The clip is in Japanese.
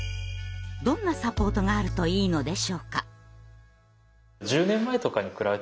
どんなサポートがあるといいのでしょうか。